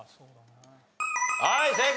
はい正解。